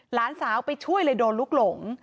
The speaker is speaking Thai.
หลานสาวไปช่วยเลยโดนลูกหลง